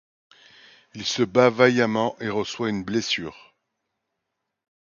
Il se bat vaillamment et reçoit une blessure.